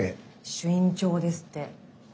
朱印状ですって。